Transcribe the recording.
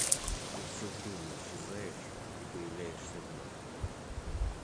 Ты всё время исчезаешь и появляешься вновь.